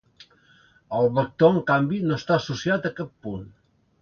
El vector en canvi no està associat a cap punt.